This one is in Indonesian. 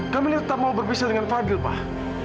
kamila tetap mau berpisah dengan fadil pak